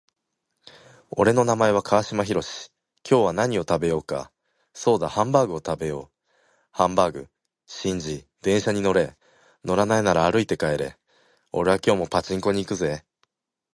俺の名前は川島寛。今日は何を食べようか。そうだハンバーグを食べよう。ハンバーグ。シンジ、電車に乗れ。乗らないなら歩いて帰れ。俺は今日もパチンコに行くぜ。